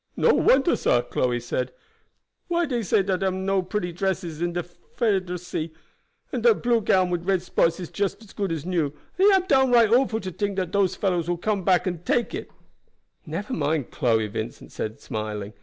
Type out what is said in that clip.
"No wonder, sah," Chloe said, "why dey say dat thar am no pretty dresses in de 'Federacy, and dat blue gown wid red spots is just as good as new, and it am downright awful to tink dat dose fellows will come back and take it." "Never mind, Chloe," Vincent said, smiling.